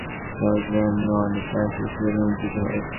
তবে সম্পর্কটিকে সুন্দরভাবে চালিয়ে নেওয়ার জন্য অনেক মানসিক শ্রমও দিতে হয়।